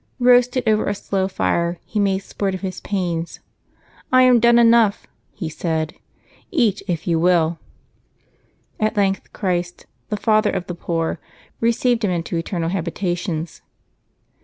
Eoasted over a slow fire, he made sport of his pains. "I am done enough," he said, "eat, if you will." At length Christ, tlie Father of the poor, received him into eternal habitations.